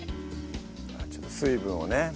ちょっと水分をね出して。